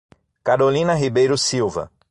Carolina Ribeiro Silva